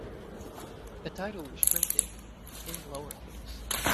The title was printed in lower-case.